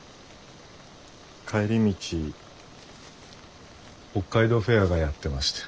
帰り道北海道フェアがやってまして。